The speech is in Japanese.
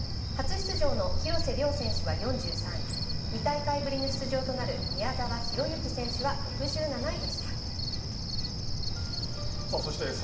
初出場の廣瀬崚選手は４３位２大会ぶりの出場となる宮沢大志選手は６７位でした。